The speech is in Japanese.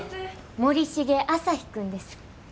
森重朝陽君です。